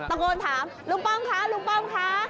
ตะโกนถามลูกป้องคะลูกป้องคะ